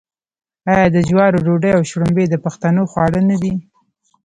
آیا د جوارو ډوډۍ او شړومبې د پښتنو خواړه نه دي؟